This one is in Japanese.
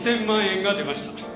１，０００万円が出ました。